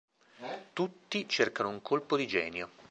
Tutti cercano un colpo di genio.